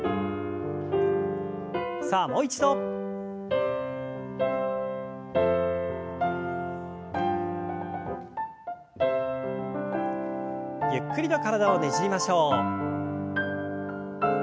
さあもう一度。ゆっくりと体をねじりましょう。